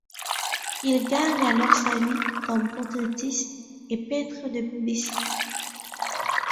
Il gagne alors sa vie comme portraitiste et peintre de publicité.